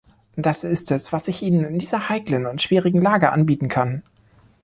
Das ist es, was ich Ihnen in dieser heiklen und schwierigen Lage anbieten kann.